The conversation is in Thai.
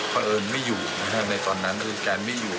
เพราะเอิญไม่อยู่ในตอนนั้นผู้จัดการไม่อยู่